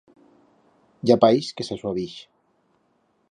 Ya paix que s'asuavix.